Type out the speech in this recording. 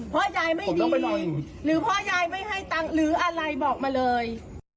เพราะยายไม่ดีหรือพ่อยายไม่ให้ตังค์หรืออะไรบอกมาเลย